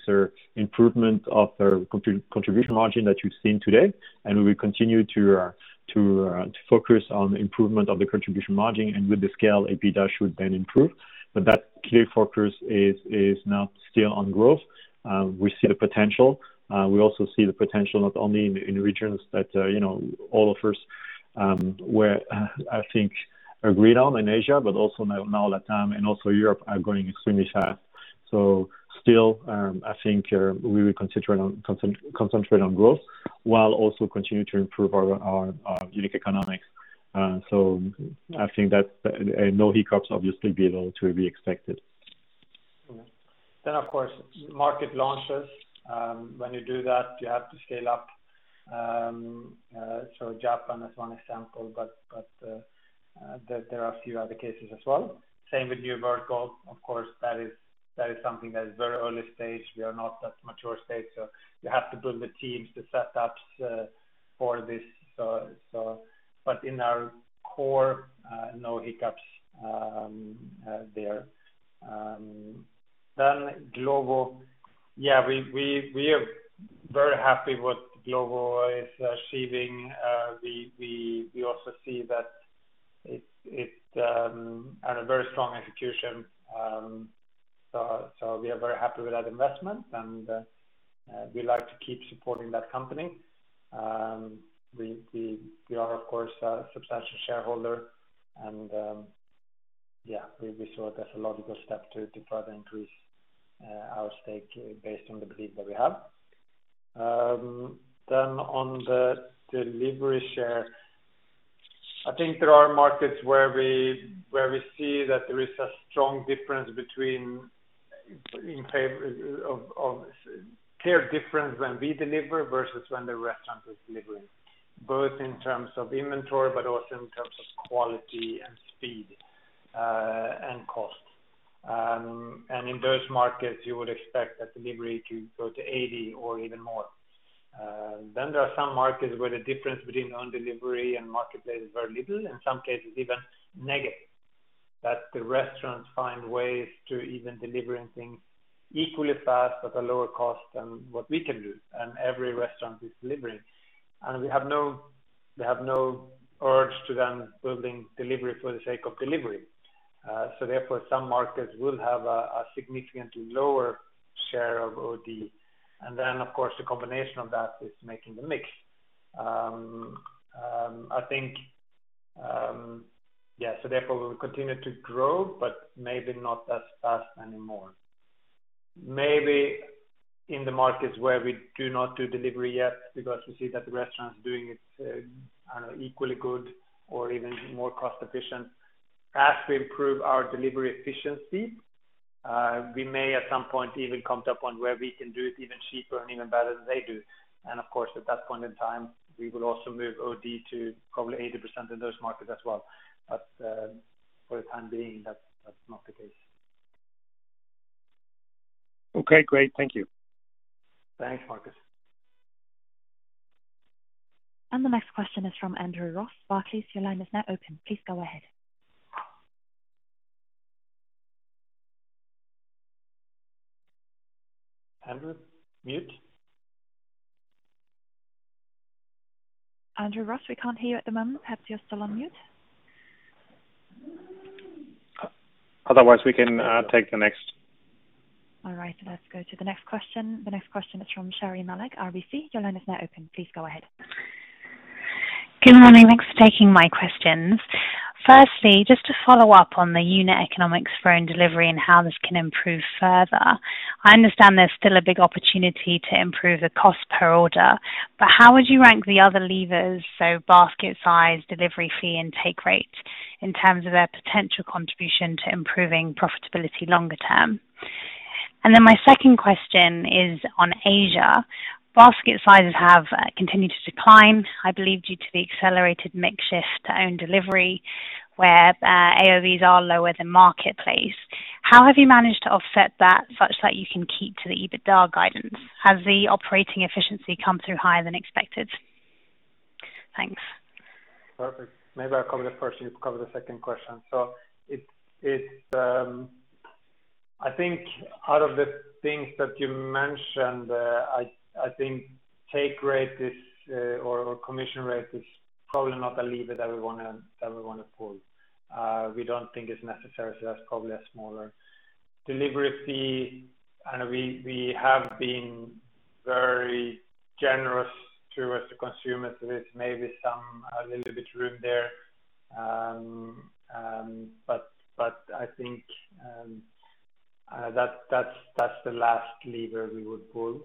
improvement of the contribution margin that you've seen today. We will continue to focus on improvement of the contribution margin. With the scale, EBITDA should then improve. That clear focus is now still on growth. We see the potential. We also see the potential not only in regions that all of us, where I think agreed on in Asia, but also now Latam and also Europe are growing extremely fast. Still, I think we will concentrate on growth while also continue to improve our unit economics. I think that no hiccups obviously be able to be expected. Of course, market launches. When you do that, you have to scale up. Japan is one example, but there are a few other cases as well. Same with New Vertical. Of course, that is something that is very early stage. We are not at mature stage. You have to build the teams, the setups for this. In our core, no hiccups there. Glovo. Yeah, we are very happy what Glovo is achieving. We also see that it had a very strong execution. We are very happy with that investment, and we like to keep supporting that company. We are, of course, a substantial shareholder, and yeah, we saw it as a logical step to further increase our stake based on the belief that we have. On the delivery share, I think there are markets where we see that there is a clear difference when we deliver versus when the restaurant is delivering, both in terms of inventory but also in terms of quality and speed and cost. In those markets, you would expect that delivery to go to 80% or even more. There are some markets where the difference between own delivery and marketplace is very little, in some cases even negative. That the restaurants find ways to even delivering things equally fast at a lower cost than what we can do, and every restaurant is delivering. We have no urge to then building delivery for the sake of delivery. Therefore, some markets will have a significantly lower share of OD. Of course, the combination of that is making the mix. Therefore, we will continue to grow, but maybe not as fast anymore. Maybe in the markets where we do not do delivery yet because we see that the restaurant's doing it, I don't know, equally good or even more cost-efficient. As we improve our delivery efficiency, we may at some point even come to a point where we can do it even cheaper and even better than they do. Of course, at that point in time, we will also move OD to probably 80% in those markets as well. For the time being, that's not the case. Okay, great. Thank you. Thanks, Michael. The next question is from Andrew Ross, Barclays. Your line is now open. Please go ahead. Andrew, mute. Andrew Ross, we can't hear you at the moment. Perhaps you're still on mute. Otherwise, we can take the next. All right, let's go to the next question. The next question is from Sherri Malek, RBC. Your line is now open. Please go ahead. Good morning. Thanks for taking my questions. Firstly, just to follow up on the unit economics for own delivery and how this can improve further. I understand there's still a big opportunity to improve the cost per order. How would you rank the other levers? Basket size, delivery fee, and take rate in terms of their potential contribution to improving profitability longer term? My second question is on Asia. Basket sizes have continued to decline, I believe due to the accelerated mix shift to own delivery where AOVs are lower than marketplace. How have you managed to offset that such that you can keep to the EBITDA guidance? Has the operating efficiency come through higher than expected? Thanks. Perfect. Maybe I'll cover the first, you cover the second question. I think out of the things that you mentioned, I think take rate is, or commission rate is probably not a lever that we want to pull. We don't think it's necessary, so that's probably a smaller delivery fee and we have been very generous towards the consumers. There is maybe some, a little bit room there. I think that's the last lever we would pull.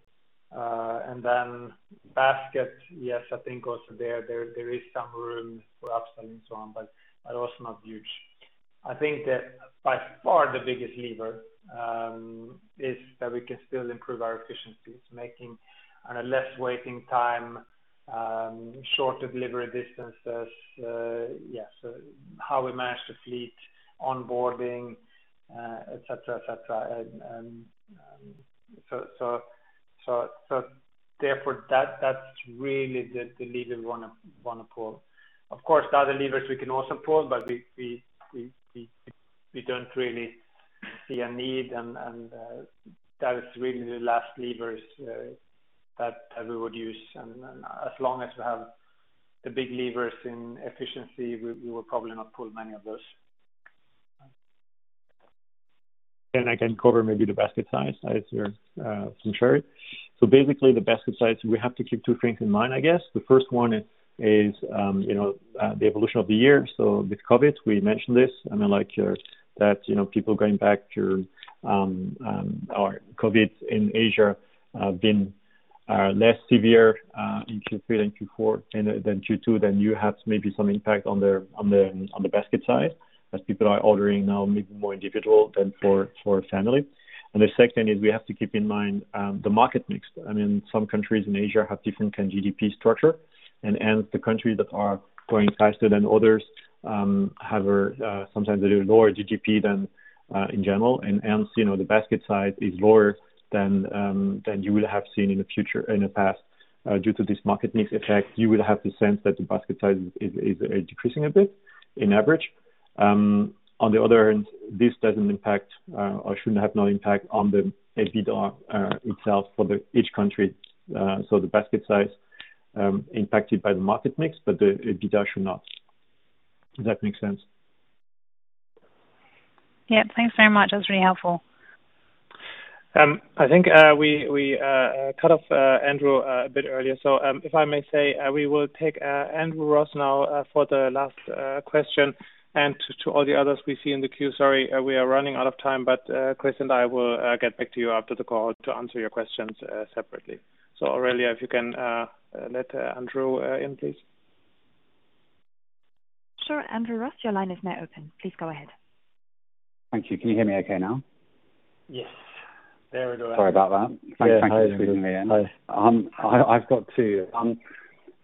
Basket, yes, I think also there is some room for upselling and so on, but also not huge. I think that by far the biggest lever is that we can still improve our efficiencies. Making less waiting time, shorter delivery distances. How we manage the fleet, onboarding et cetera. That's really the lever we want to pull. Of course, the other levers we can also pull, but we don't really see a need and that is really the last levers that we would use. As long as we have the big levers in efficiency, we will probably not pull many of those. I can cover maybe the basket size from Sherri. Basically the basket size, we have to keep two things in mind I guess. The first one is the evolution of the year. With COVID, we mentioned this, that people going back to COVID in Asia, being less severe in Q3 and Q4 than Q2, then you have maybe some impact on the basket size as people are ordering now maybe more individual than for family. The second is we have to keep in mind the market mix. Some countries in Asia have different GDP structure and hence the countries that are growing faster than others have sometimes a little lower GDP than in general and hence the basket size is lower than you would have seen in the past due to this market mix effect. You would have the sense that the basket size is decreasing a bit in average. This doesn't impact or should have no impact on the EBITDA itself for each country. The basket size impacted by the market mix, but the EBITDA should not. Does that make sense? Yeah, thanks very much. That's really helpful. I think we cut off Andrew a bit earlier. If I may say, we will take Andrew Ross now for the last question. To all the others we see in the queue, sorry, we are running out of time, but Chris and I will get back to you after the call to answer your questions separately. Aurelia, if you can let Andrew in, please. Sure. Andrew Ross, your line is now open. Please go ahead. Thank you. Can you hear me okay now? Yes. There we go. Sorry about that. Yeah. Thanks for taking me in. Hi. I've got two.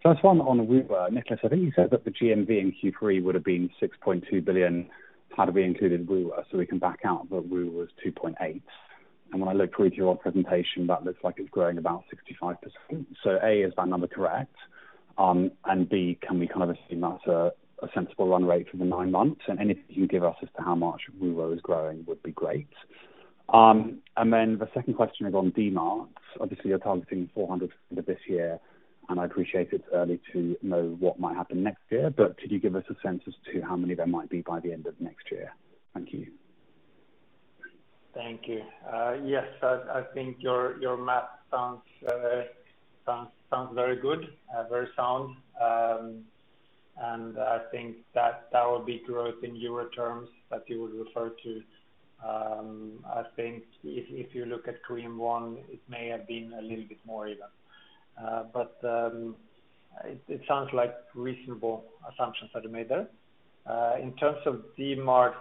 First one on Woowa. Niklas, I think you said that the GMV in Q3 would've been 6.2 billion had we included Woowa so we can back out that Woowa was 2.8 billion. When I look through to your presentation, that looks like it's growing about 65%. A, is that number correct? B, can we assume that's a sensible run rate for the nine months? Anything you can give us as to how much Woowa is growing would be great. Then the second question is on Dmarts. Obviously, you're targeting 400 for this year, and I appreciate it's early to know what might happen next year, but could you give us a sense as to how many there might be by the end of next year? Thank you. Thank you. Yes, I think your math sounds very good, very sound. I think that will be growth in Euro terms that you would refer to. I think if you look at Q1, it may have been a little bit more even. It sounds like reasonable assumptions that you made there. In terms of Dmart,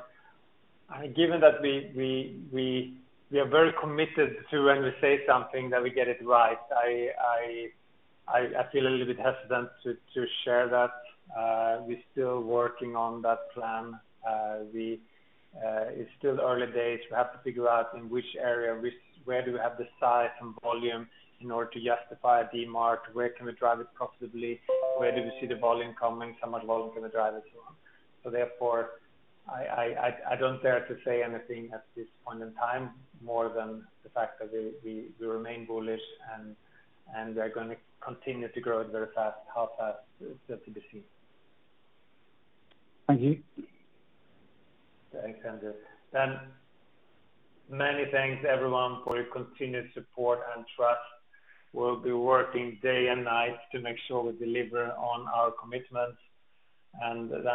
given that we are very committed to when we say something that we get it right, I feel a little bit hesitant to share that. We're still working on that plan. It's still early days. We have to figure out in which area, where do we have the size and volume in order to justify a Dmart? Where can we drive it profitably? Where do we see the volume coming? How much volume can we drive and so on. Therefore, I don't dare to say anything at this point in time more than the fact that we remain bullish and we are going to continue to grow it very fast. How fast is yet to be seen. Thank you. Thanks, Andrew. Many thanks everyone for your continued support and trust. We'll be working day and night to make sure we deliver on our commitments.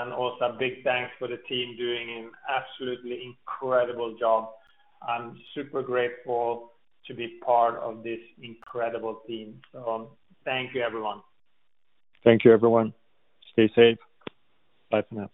Also a big thanks for the team doing an absolutely incredible job. I'm super grateful to be part of this incredible team. Thank you everyone. Thank you everyone. Stay safe. Bye for now.